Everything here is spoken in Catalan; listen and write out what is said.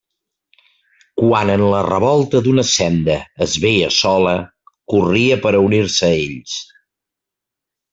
Quan en la revolta d'una senda es veia sola, corria per a unir-se a ells.